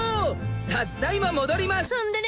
たった今戻りましそんでね